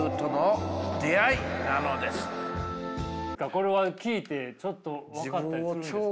これは聞いてちょっと分かったりするんですか。